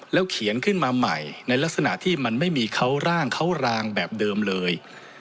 เขียนขึ้นมาใหม่ในลักษณะที่มันไม่มีเขาร่างเขารางแบบเดิมเลย